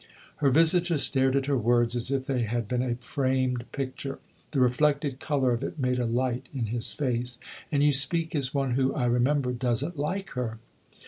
Her visitor stared at her words as if they had been a framed picture; the reflected colour of it made a light in his face. " And you speak as one who, I remember, doesn't like her."